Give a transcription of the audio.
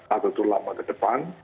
atau itu lama ke depan